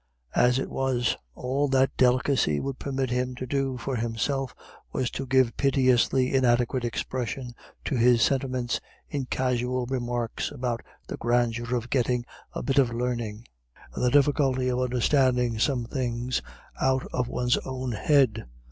As it was, all that delicacy would permit him to do for himself was to give piteously inadequate expression to his sentiments in casual remarks about the grandeur of getting a bit of learning, and the difficulty of understanding some things out of one's own head.